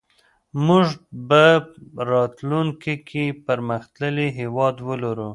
موږ به راتلونکي کې پرمختللی هېواد ولرو.